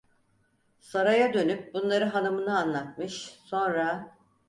Saraya dönüp bunları hanımına anlatmış, sonra: